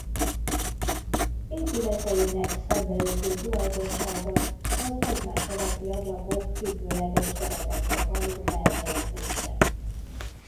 Épületeinek szembeötlő tulajdonsága az egymás alatti ablakok függőleges keretekben való elhelyezése.